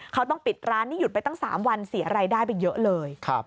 เขาต้องปิดร้านนี่หยุดไปตั้ง๓วันเสียรายได้ไปเยอะเลย